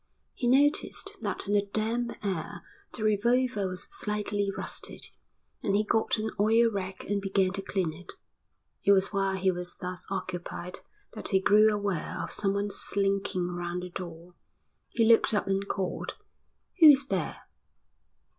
He noticed that in the damp air the revolver was slightly rusted, and he got an oil rag and began to clean it. It was while he was thus occupied that he grew aware of someone slinking round the door. He looked up and called: "Who is there?"